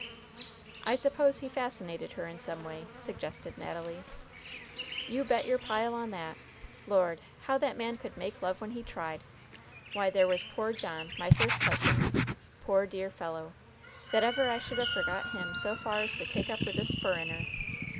"I suppose he fascinated her in some way," suggested Natalie. "You bet your pile on that. Lord! how that man could make love when he tried! Why, there was poor John, my first husband, poor, dear fellow! that ever I should have forgot him so far as to take up with this furriner!